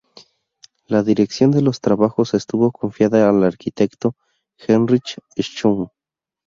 La dirección de los trabajos estuvo confiada al arquitecto Heinrich Schön.